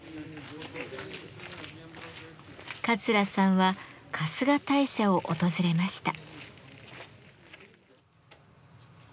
桂さんは春日大社を訪れました。